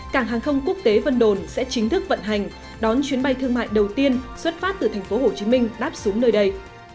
cảng hàng không quốc tế vân đồn sẽ chính thức vận hành đón chuyến bay thương mại đầu tiên xuất phát từ tp hcm đáp xuống nơi đây